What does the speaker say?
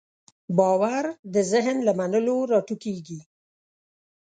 باور د ذهن له منلو راټوکېږي.